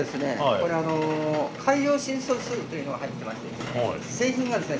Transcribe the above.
これ海洋深層水というのが入ってましてですね製品がですね